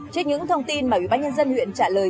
trên những thông tin mà quý bác nhân dân huyện trả lời